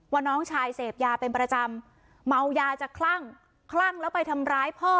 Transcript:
น้องชายเสพยาเป็นประจำเมายาจะคลั่งคลั่งแล้วไปทำร้ายพ่อ